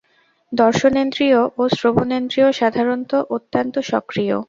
দর্শনেন্দ্রিয় ও শ্রবণেন্দ্রিয় সাধারণত অত্যন্ত সক্রিয়।